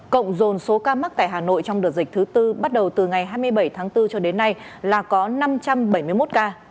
cộng dồn số ca mắc tại hà nội trong đợt dịch thứ tư bắt đầu từ ngày hai mươi bảy tháng bốn cho đến nay là có năm trăm bảy mươi một ca